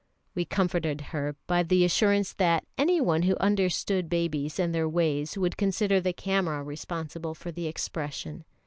We comforted her by the assurance that any one who understood babies and their ways would consider the camera responsible for the expression.